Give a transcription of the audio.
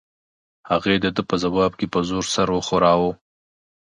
هغې د ده په ځواب کې په زور سر وښوراوه.